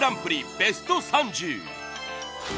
ベスト３０。